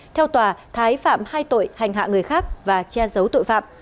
theo tòa thái phạm hai tội hành hạ người khác và che giấu tội phạm